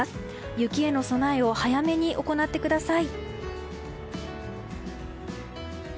雪への備えを早めに行ってください。